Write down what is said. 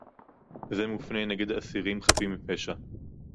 זה מופנה נגד אסירים חפים מפשע